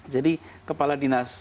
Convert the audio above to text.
jadi kepala dinas